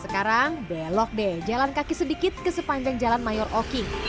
sekarang belok deh jalan kaki sedikit ke sepanjang jalan mayor oki